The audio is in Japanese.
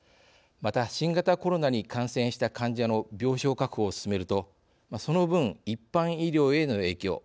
また、新型コロナに感染した患者の病床確保を進めるとその分、一般医療への影響